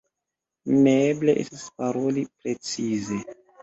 Neeble estas paroli precize.